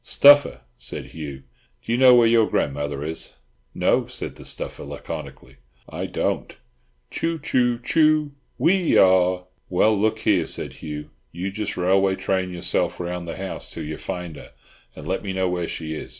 "Stuffer," said Hugh, "do you know where your grandmother is?" "No" said the Stuffer laconically. "I don't Choo, choo, choo, Whee aw!" "Well, look here," said Hugh, "you just railway train yourself round the house till you find her, and let me know where she is.